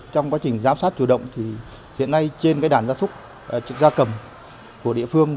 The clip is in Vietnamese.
trong quá trình giám sát chủ động hiện nay trên đàn da súc da cầm của địa phương